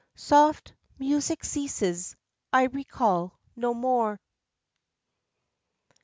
Soft music ceases I recall no more.